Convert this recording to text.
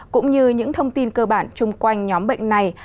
cũng như những thông tin cơ bản chung quanh nhóm bệnh này